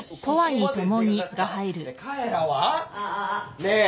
ねえ。